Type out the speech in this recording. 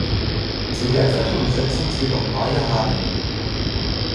Zur derzeitigen Besetzung zählt auch Maya Hardinge.